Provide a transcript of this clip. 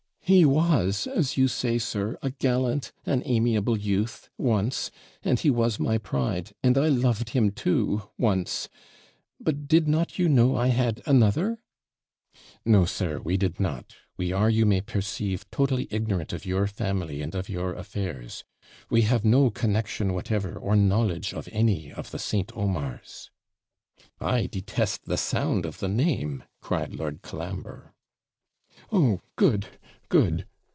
'He was, as you say, sir, a gallant, an amiable youth, once and he was my pride, and I loved him, too, once but did not you know I had another?' 'No, sir, we did not we are, you may perceive, totally ignorant of your family and of your affairs we have no connexion whatever or knowledge of any of the St. Omars.' 'I detest the sound of the name,' cried Lord Colambre. 'Oh, good! good!